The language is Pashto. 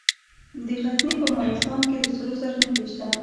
د غزني په مالستان کې د سرو زرو نښې شته.